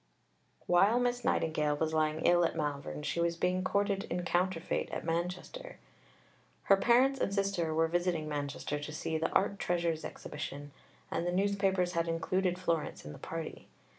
While Miss Nightingale was lying ill at Malvern, she was being courted in counterfeit at Manchester. Her parents and sister were visiting Manchester to see the "Art Treasures Exhibition," and the newspapers had included Florence in the party.